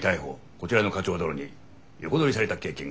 こちらの課長殿に横取りされた経験があるので。